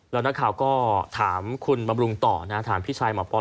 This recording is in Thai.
แล้วนักข่าวก็ถามคุณบำรุงต่อนะถามพี่ชายหมอปอน